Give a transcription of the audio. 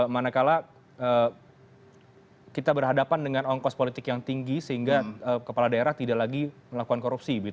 manakala kita berhadapan dengan ongkos politik yang tinggi sehingga kepala daerah tidak lagi melakukan korupsi